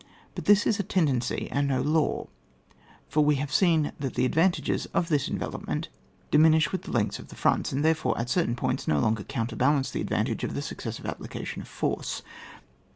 But this is a tendency ^ and no law; for we have seen that the advantages of this envelopment diminish with the leng^ths of the fronts ; and therefore, at certain points, no longer counterbalance the advantage of the successive applica tion of force.